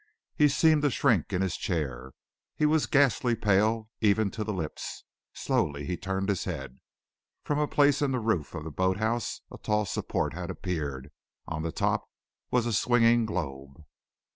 He seemed to shrink in his chair. He was ghastly pale even to the lips. Slowly he turned his head. From a place in the roof of the boat house a tall support had appeared. On the top was a swinging globe.